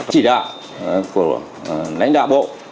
chỉ đạo của lãnh đạo bộ